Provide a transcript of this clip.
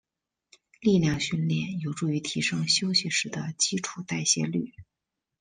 力量训练有助于提升休息时的基础代谢率。